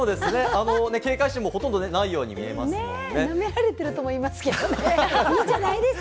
警戒心もほとんどないように見えますもんね。